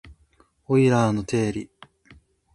オイラーの定理